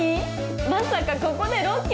まさかここでロケ？